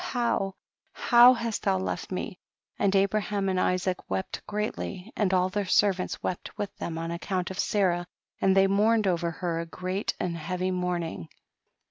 how, how hast thou left me! 90. And Abraham and Isaac wept greatly and all their servants wept with them on account of Sarah, and they mourned over her a great and heavy mourning.